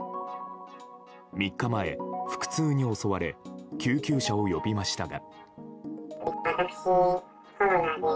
３日前、腹痛に襲われ救急車を呼びましたが。